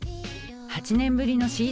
８年ぶりのＣＤ